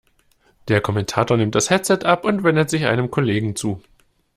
Der Kommentator nimmt das Headset ab und wendet sich einem Kollegen zu.